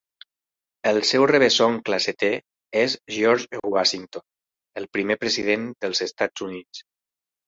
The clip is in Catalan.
El seu rebesoncle setè és George Washington, el primer president dels Estats Units.